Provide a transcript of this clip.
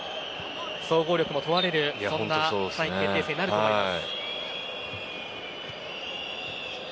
総合力の問われる３位決定戦になると思います。